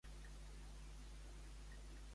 M'acontentaria amb ser ajuda de cambra, senyora.